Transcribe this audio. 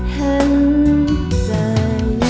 เห็นใจ